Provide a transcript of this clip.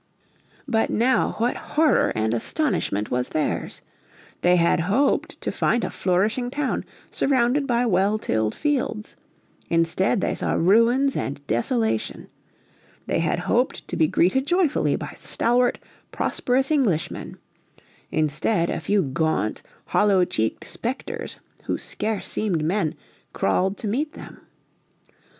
But now what horror and astonishment was theirs! They had hoped to find a flourishing town, surrounded by well tilled fields. Instead they saw ruins and desolation. They had hoped to be greeted joyfully by stalwart, prosperous Englishmen. Instead a few gaunt, hollow cheeked spectres, who scarce seemed men, crawled to meet them.